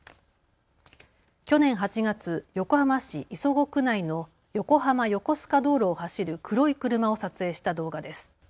去年８月、横浜市磯子区内の横浜横須賀道路を走る黒い車を撮影した動画です。